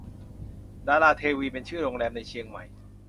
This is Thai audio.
ดาราเทวีเป็นชื่อโรงแรมในเชียงใหม่